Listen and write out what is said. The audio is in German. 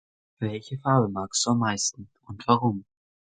Welche Farbe magst du am meisten und warum?